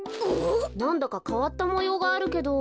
なんだかかわったもようがあるけど。